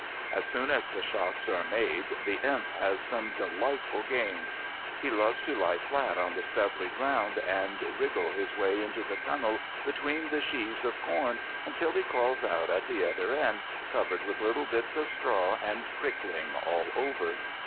As soon as the shocks are made the Imp has some delightful games. He loves to lie flat on the stubbly ground, and wriggle his way into the tunnel between the sheaves of corn until he crawls out at the other end covered with little bits of straw and prickling all over.